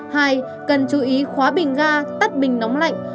hai cần chú ý khóa bình ga tắt bình nóng lạnh